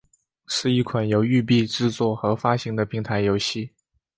是一款由育碧制作和发行的平台游戏。